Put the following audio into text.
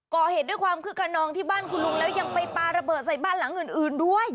ก่อเหตุด้วยความคึกขนองที่บ้านคุณลุงแล้วยังไปปลาระเบิดใส่บ้านหลังอื่นด้วย